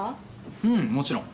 うんもちろん。